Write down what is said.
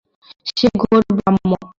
সে ঘোর ব্রাহ্ম।